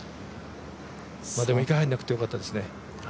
でも池入らなくてよかったですね。